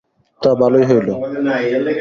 তা ভালোই হইল।